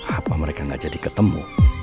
apa mereka gak jadi ketemu